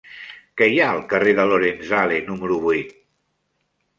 Què hi ha al carrer de Lorenzale número vuit?